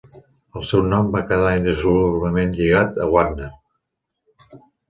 El seu nom va quedar indissolublement lligat a Wagner.